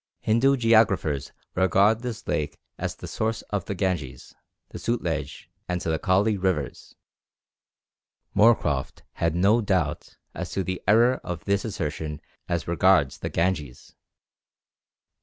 Hindu geographers regard this lake as the source of the Ganges, the Sutlej, and the Kali rivers. Moorcroft had no doubt as to the error of this assertion as regards the Ganges.